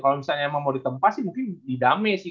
kalo misalnya mau ditempa sih mungkin didame sih